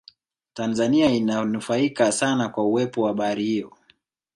tanzania inanufaika sana kwa uwepo wa bahari hiyo